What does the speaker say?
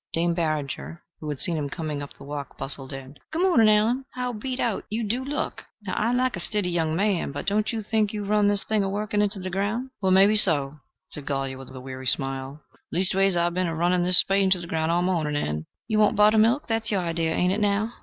Dame Barringer, who had seen him coming up the walk, bustled in: "Good morning, Allen. How beat out you do look! Now, I like a stiddy young man, but don't you think you run this thing of workin' into the ground?" "Wail, maybe so," said Golyer with a weary smile "leastways I've been a running this spade into the ground all the morning, and " "You want buttermilk that's your idee: ain't it, now?"